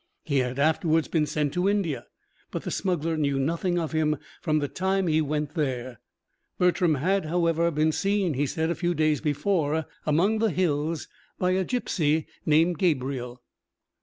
He had afterwards been sent to India; but the smuggler knew nothing of him from the time he went there. Bertram had, however, been seen, he said, a few days before, among the hills by a gipsy named Gabriel.